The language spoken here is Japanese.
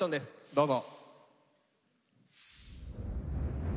どうぞ。